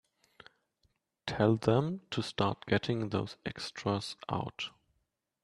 Tell them to start getting those extras out.